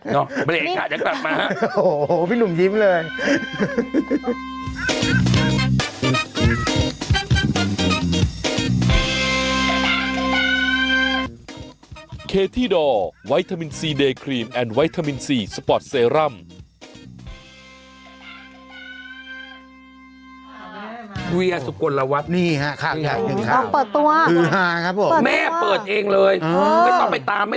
น้องบริเวณชาติจะกลับมาฮะ